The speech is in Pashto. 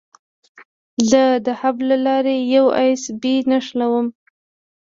زه د هب له لارې یو ایس بي نښلوم.